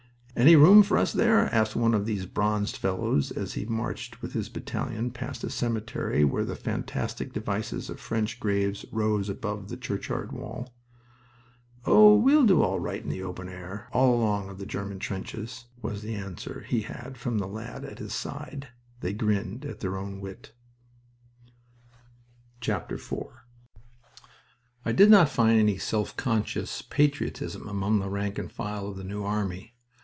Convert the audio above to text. "Any room for us there?" asked one of these bronzed fellows as he marched with his battalion past a cemetery where the fantastic devices of French graves rose above the churchyard wall. "Oh, we'll do all right in the open air, all along of the German trenches," was the answer he had from the lad at his side. They grinned at their own wit. IV I did not find any self conscious patriotism among the rank and file of the New Army.